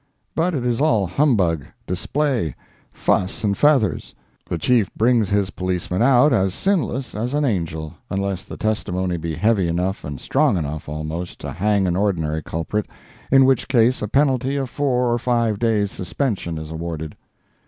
But it is all humbug, display, fuss and feathers. The Chief brings his policeman out as sinless as an angel, unless the testimony be heavy enough and strong enough, almost, to hang an ordinary culprit, in which case a penalty of four or five days' suspension is awarded.